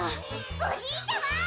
おじいちゃま！